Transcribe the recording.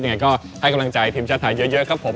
ยังไงก็ให้กำลังใจทีมชาติไทยเยอะครับผม